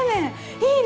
いいね！